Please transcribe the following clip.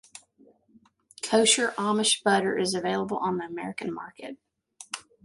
Kosher Amish butter is available on the American market.